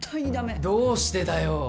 どうしてだよ？